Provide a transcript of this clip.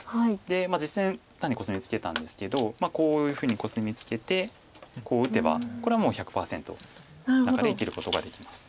実戦単にコスミツケたんですけどこういうふうにコスミツケてこう打てばこれはもう１００％中で生きることができます。